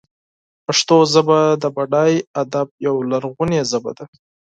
پښتو ژبه د بډای ادب یوه لرغونې ژبه ده.